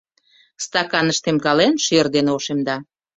Стаканыш темкален, шӧр дене ошемда.